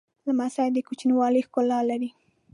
لمسی د کوچنیوالي ښکلا لري.